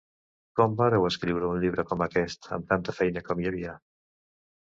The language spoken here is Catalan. Com vàreu escriure un llibre com aquest amb tanta feina com hi havia?